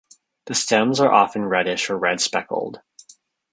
The stems are often reddish or red-speckled.